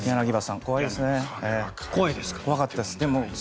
怖かったです。